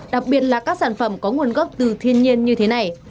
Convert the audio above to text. đặc biệt là các sản phẩm có nguồn gốc từ thiên nhiên như thế này